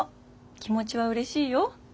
気持ちはうれしいよ。